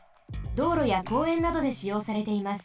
どうろやこうえんなどでしようされています。